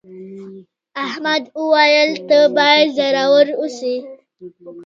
احمد وویل ته باید زړور اوسې.